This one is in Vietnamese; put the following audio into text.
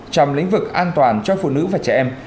trong lĩnh vực an toàn cho phụ nữ và trẻ em